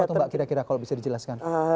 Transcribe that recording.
berapa tuh mbak kira kira kalau bisa dijelaskan